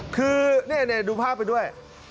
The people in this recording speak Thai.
คือนี่ดูภาพไปด้วย